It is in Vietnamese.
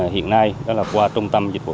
hiện nay đó là qua trung tâm dịch vụ